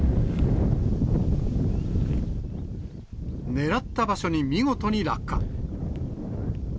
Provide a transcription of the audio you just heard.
狙った場所に見事に落下。